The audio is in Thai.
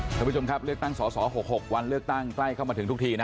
ท่านผู้ชมครับเลือกตั้งสอสอ๖๖วันเลือกตั้งใกล้เข้ามาถึงทุกทีนะ